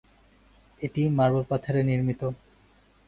এটি মার্বেল পাথরে নির্মিত।